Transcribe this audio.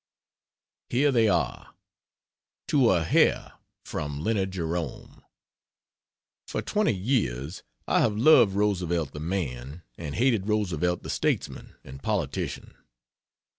Here they are, to a hair from Leonard Jerome: "For twenty years I have loved Roosevelt the man and hated Roosevelt the statesman and politician."